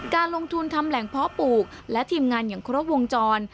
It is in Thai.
การลงทุนทำแหล่งเพาะปลูกและทีมงานอย่างครบวงจร